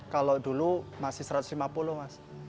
kalau dulu masih satu ratus lima puluh mas